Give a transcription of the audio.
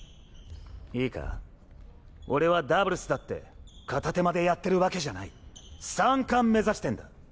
いいか俺はダブルスだって片手間でやってるわけじゃない三冠目指してんだ。